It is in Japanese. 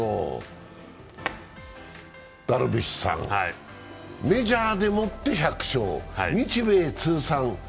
ダルビッシュさん、メジャーでもって１００勝。